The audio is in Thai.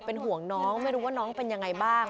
เป็นห่วงน้องไม่รู้ว่าน้องเป็นยังไงบ้าง